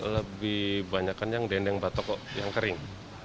lebih banyak kan yang dendeng batoko yang kering